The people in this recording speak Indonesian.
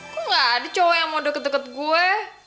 kok gak ada cowok yang mau deket deket gue